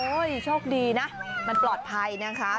โชคดีนะมันปลอดภัยนะคะ